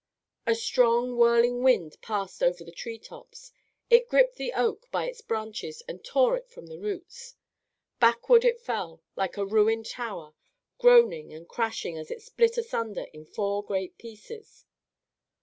A strong, whirling wind passed over the treetops. It gripped the oak by its branches and tore it from the roots. Backward it fell, like a ruined tower, groaning and crashing as it split asunder in four great pieces.